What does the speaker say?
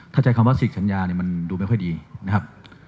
ใช้คำว่าสิกสัญญาเนี่ยมันดูไม่ค่อยดีนะครับ